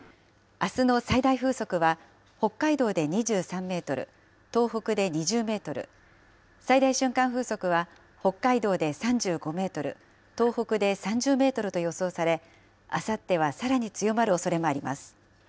あすの最大風速は北海道で２３メートル、東北で２０メートル、最大瞬間風速は北海道で３５メートル、東北で３０メートルと予想され、あさってはさらに強まるおそれもあります。